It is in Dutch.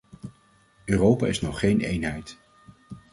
Europa is nog geen eenheid.